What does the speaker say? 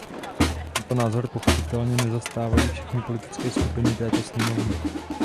Tento názor pochopitelně nezastávají všechny politické skupiny této sněmovny.